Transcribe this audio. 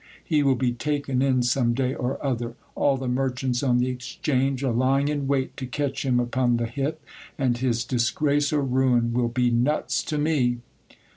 He will be taken in some day or other ! All the merchants on the Exchange are lying in wait to catch him upon the hip ; and his disgrace or ruin will be nuts to me.